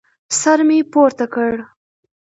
سر مې پورته کړ.